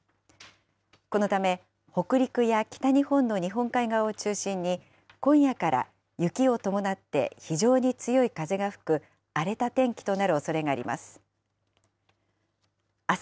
このため北陸や北日本の日本海側を中心に今夜から、雪を伴って非常に強い風が吹く荒れた天気となるおそれがあります。